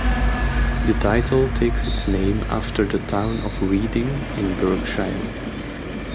The title takes its name after the town of Reading in Berkshire.